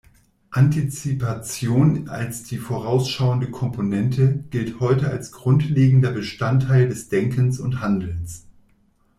Antizipation als die vorausschauende Komponente gilt heute als grundlegender Bestandteil des Denkens und Handelns.